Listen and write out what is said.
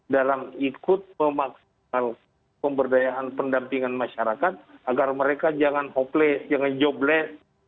dalam ikut memaksa pemberdayaan pendampingan masyarakat agar mereka jangan hopeless jangan jobless